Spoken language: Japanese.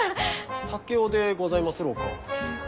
竹雄でございますろうか？